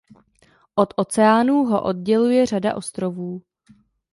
Od oceánů ho odděluje řada ostrovů.